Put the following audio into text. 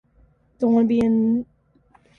See highway beautification.